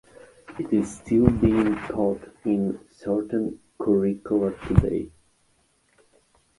It is still being taught in certain curricula today.